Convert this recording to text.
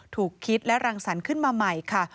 ถูกคิดและรังสรรค์ขึ้นมาใหม่ค่ะ